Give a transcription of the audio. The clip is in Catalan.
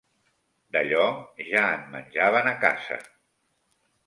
D'allò ja en menjaven a casa.